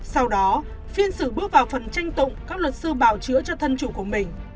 sau đó phiên xử bước vào phần tranh tụng các luật sư bảo chữa cho thân chủ của mình